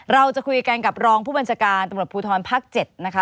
เราจะคุยกันกับรองผู้บัญชาการตำรวจภูทรภาค๗นะคะ